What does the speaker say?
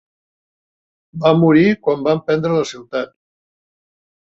Va morir quan van prendre la ciutat.